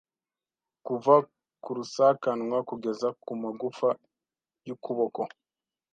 Kuva ku rusakanwa kugeza ku magufa y'ukuboko